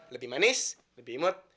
lebih manis lebih imut